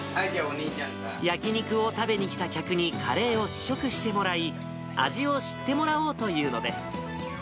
焼き肉を食べに来た客にカレーを試食してもらい、味を知ってもらおうというのです。